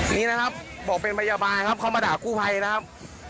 นี่นะครับบอกเป็นพยาบาลครับเข้ามาด่ากู้ภัยนะครับ